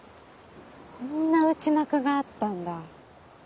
そんな内幕があったんだ。